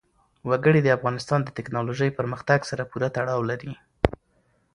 وګړي د افغانستان د تکنالوژۍ پرمختګ سره پوره تړاو لري.